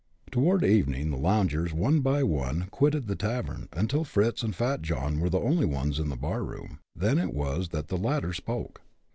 Toward evening the loungers, one by one, quitted the tavern, until Fritz and Fat John were the only ones in the bar room. Then it was that the latter spoke.